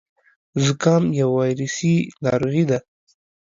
زکام يو وايرسي ناروغي ده.